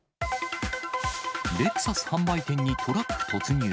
レクサス販売店にトラック突入。